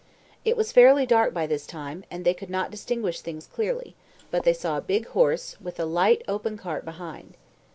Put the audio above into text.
It was fairly dark by this time, and they could not distinguish things clearly, but they saw a big horse, with a light, open cart behind.